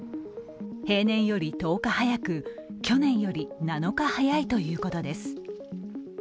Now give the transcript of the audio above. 平年より１０日早く、去年より７日早いということです。